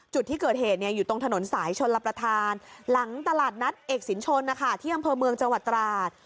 จุดที่เกิดเหตุอยู่ตรงถนนสายชนลประธานหลังตลาดนัดเอกสินชนนะคะที่อำเภอเมืองจังหวัดตราด